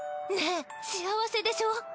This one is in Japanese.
ねぇ幸せでしょ？